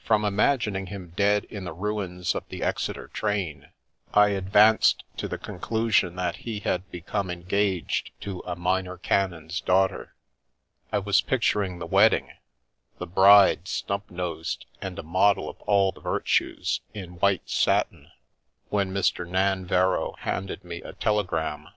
From imagining him dead in the ruins of the Exeter train, I advanced to the conclusion that he had become engaged to a minor canon's daughter. I was picturing the wedding (the bride, snub nosed, and a model of all the virtues, in white satin), when Mr. Nan verrow handed me a telegram.